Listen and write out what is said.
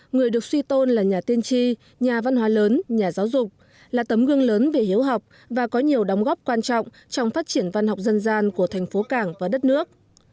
người được suy tôn là nhà tiên tri nhà văn hóa lớn nhà giáo dục là tấm gương lớn về hiếu học và có nhiều đóng góp quan trọng trong phát triển văn học dân gian của thành phố cảng và đất nước